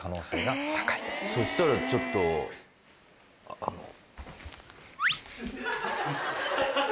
そしたらちょっとあっ。